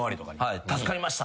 はい。